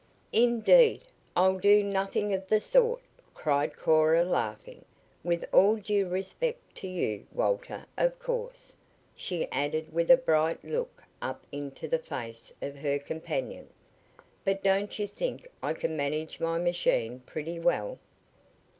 "Indeed, I'll do nothing of the sort!" cried Cora, laughing. "With all due respect to you, Walter, of course," she added with a bright look up into the face of her companion. "But don't you think I can manage my machine pretty well?"